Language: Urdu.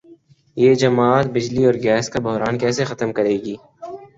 یہ جماعت بجلی اور گیس کا بحران کیسے ختم کرے گی؟